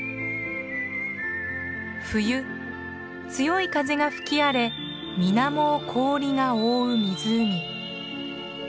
冬強い風が吹き荒れ水面を氷が覆う湖。